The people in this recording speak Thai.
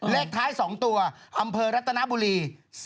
เลขท้าย๒ตัวอำเภอรัตนบุรี